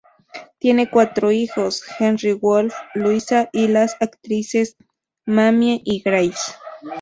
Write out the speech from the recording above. Tienen cuatro hijos: Henry Wolfe, Louisa, y las actrices Mamie y Grace.